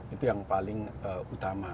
itu yang paling utama